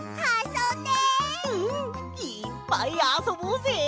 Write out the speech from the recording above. うんいっぱいあそぼうぜ！